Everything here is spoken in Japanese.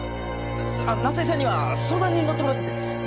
夏恵さんには相談に乗ってもらっててん。